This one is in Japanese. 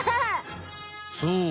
そう！